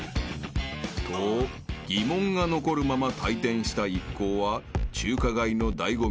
［と疑問が残るまま退店した一行は中華街の醍醐味